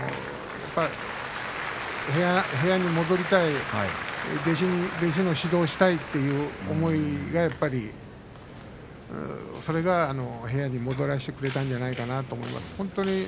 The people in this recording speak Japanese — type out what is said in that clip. やっぱり部屋に戻りたい弟子の指導をしたいその思いがやっぱりそれが部屋に戻らせてくれたんじゃないかなと思います。